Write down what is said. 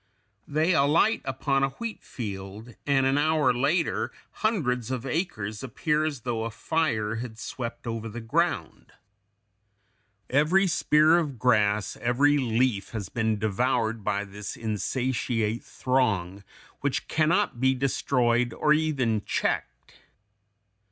They alight upon a wheat field, and an hour later hundreds of acres appear as though a fire had swept over the ground. Every spear of grass, every leaf, has been devoured by this insatiate throng, which can not be destroyed or even checked.